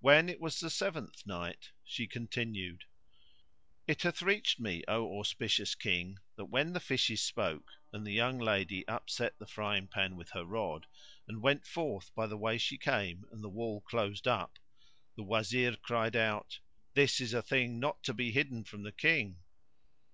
When it was the Seventh Night, She continued, It hath reached me, O auspicious King, that when the fishes spoke, and the young lady upset the frying pan with her rod, and went forth by the way she came and the wall closed up, the Wazir cried out, "This is a thing not to be hidden from the King."